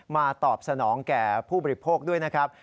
ตอบสนองแก่ผู้บริโภคด้วยนะครับ